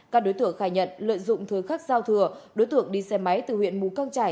các đối tượng khai nhận lợi dụng thời khắc giao thừa đối tượng đi xe máy từ huyện mù căng trải